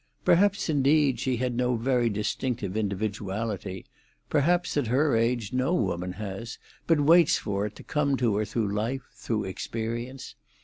Perhaps, indeed, she had no very distinctive individuality; perhaps at her age no woman has, but waits for it to come to her through life, through experience.